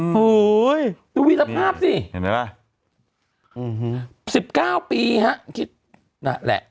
โอ้โหดูวิรับภาพสิเห็นไหมล่ะอื้อฮือสิบเก้าปีฮะนั่นแหละ